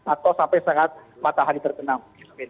atau sampai saat matahari tergenang